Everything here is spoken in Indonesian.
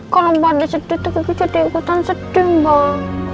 kalau mbak andin sedih tuh kita jadi ikutan sedih mbak